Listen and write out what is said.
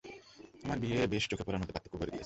আমার বিয়ে বেশ চোখে পড়ার মতো পার্থক্য গড়ে দিয়েছে।